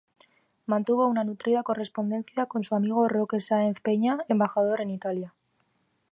Mantuvo una nutrida correspondencia con su amigo Roque Sáenz Peña, embajador en Italia.